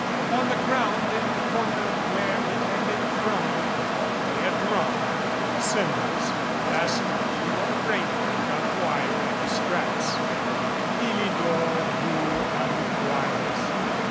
Upon the ground in the corner where it had been thrown lay a drum and cymbals fastened to a framework of wire and straps. Philidor grew unquiet.